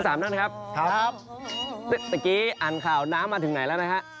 ทั้ง๓นั่นนะครับสักทีอ่านข่าวน้ำมาถึงไหนแล้วนะฮะ